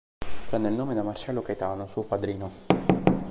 Prende il nome da Marcelo Caetano, suo padrino.